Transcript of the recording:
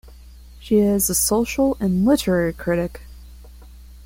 She is a social and literary critic.